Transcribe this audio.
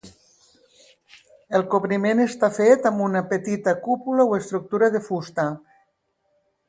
El cobriment està fet amb una petita cúpula o estructura de fusta.